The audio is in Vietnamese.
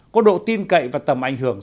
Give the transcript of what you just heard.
có độ tin cậy và tầm ảnh hưởng